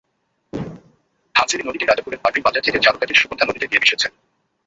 ধানসিঁড়ি নদীটি রাজাপুরের বাগড়ি বাজার থেকে ঝালকাঠির সুগন্ধা নদীতে গিয়ে মিশেছে।